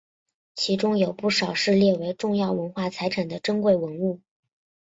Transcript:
其中有不少是列为重要文化财产的珍贵文物。